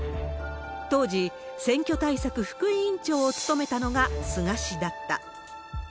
当時、選挙対策副委員長を務めたのが菅氏だった。